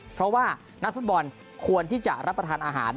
เพราะว่านักฟุตบอลควรที่จะรับประทานอาหาร